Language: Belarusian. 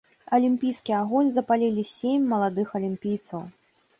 Алімпійскі агонь запалілі сем маладых алімпійцаў.